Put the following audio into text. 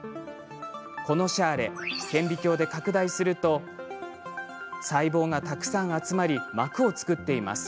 このシャーレ顕微鏡で拡大すると細胞がたくさん集まり膜を作っています。